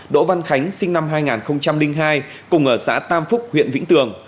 đỗ văn khánh sinh năm hai nghìn hai cùng ở xã tam phúc huyện vĩnh tường